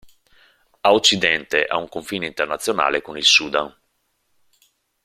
A occidente ha un confine internazionale con il Sudan.